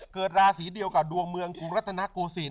เกิดราศีเดยวกับดวงเมืองหรัฐนาโกสิน